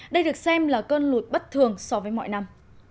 đây được xem là cơn lụt bất thường so với mọi năm